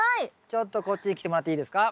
ちょっとこっちに来てもらっていいですか？